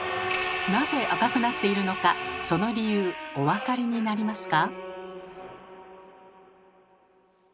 なぜ赤くなっているのかその理由お分かりになりますか？